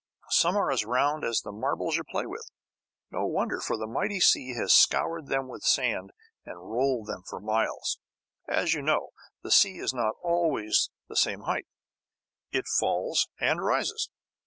Some are as round as the "marbles" you play with. No wonder, for the mighty sea has scoured them with sand and rolled them for miles. As you know, the sea is not always at the same height. It falls and rises.